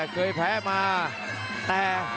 เคยแพ้มา